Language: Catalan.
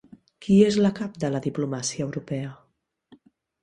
Qui és la cap de la diplomàcia europea?